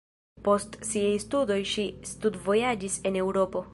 Post siaj studoj ŝi studvojaĝis en Eŭropo.